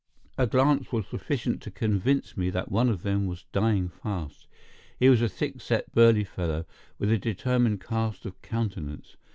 A glance was sufficient to convince me that one of them was dying fast. He was a thick set burly fellow, with a determined cast of countenance.